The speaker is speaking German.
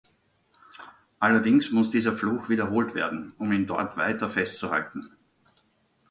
Allerdings muss dieser Fluch wiederholt werden, um ihn dort weiter festzuhalten.